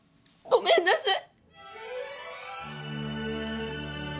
ごめんなさい。